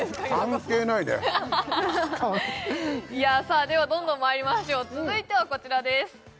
関係ないねさあではどんどんまいりましょう続いてはこちらです